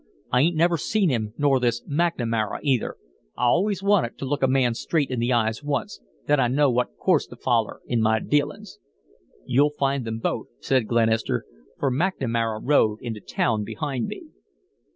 I 'ain't never seen him nor this McNamara, either. I allus want to look a man straight in the eyes once, then I know what course to foller in my dealings." "You'll find them both," said Glenister, "for McNamara rode into town behind me."